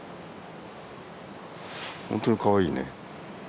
本当にかわいいね。